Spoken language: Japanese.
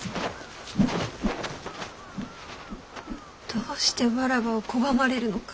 どうしてわらわを拒まれるのか？